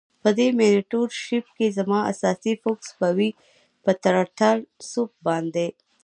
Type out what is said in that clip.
په دی مینټور شیپ کی زما اساسی فوکس به وی په ټرټل سوپ باندی.